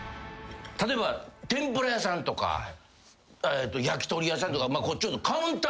例えば天ぷら屋さんとか焼き鳥屋さんとか。